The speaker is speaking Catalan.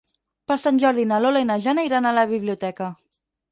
Per Sant Jordi na Lola i na Jana iran a la biblioteca.